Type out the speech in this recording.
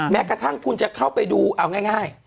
แม้กระทั่งคุณจะเข้าไปดูเอาง่าย